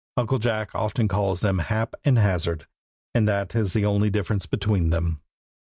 Uncle Jack often calls them Hap and Hazard, and that is the only difference between them.